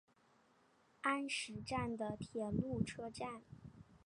安食站的铁路车站。